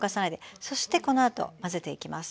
そしてこのあと混ぜていきます。